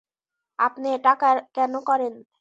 আপনি এটা কেন করেন?